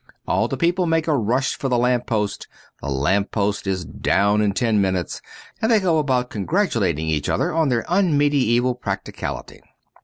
All the people make a rush for the lamp post, the lamp post is down in ten minutes, and they go about congratulating each other on their unmedieval practicality.